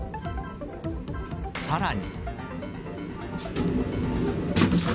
さらに。